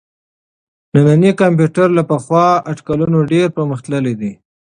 نننی کمپيوټر له پخوانيو اټکلونو ډېر پرمختللی دی.